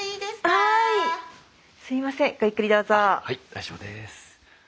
はい大丈夫です。